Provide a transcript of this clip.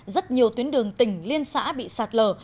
rất nhiều tuyến đường tỉnh liên xã bị sạt lở